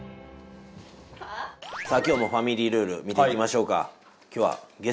さあ今日もファミリールール見ていきましょうか。